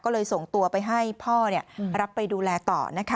ก็เลยส่งตัวไปให้พ่อรับไปดูแลต่อนะคะ